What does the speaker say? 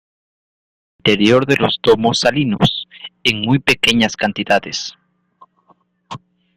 Aparece en el interior de los domos salinos, en muy pequeñas cantidades.